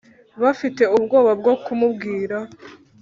bafite ubwoba bwo kumubwira